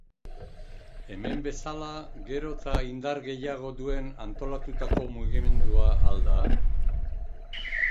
Hemen bezala, gero eta indar gehiago duen antolatutako mugimendua al da?